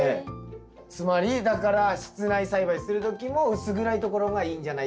つまりだから室内栽培する時も薄暗いところがいいんじゃないかっていうことですよね。